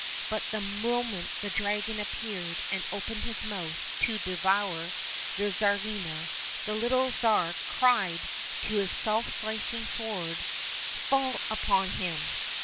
But the moment the dragon appeared and opened his mouth to devour the Tsarivna, the little Tsar cried to his self slicing sword, " Fall upon him